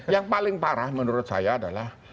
yang paling parah menurut saya adalah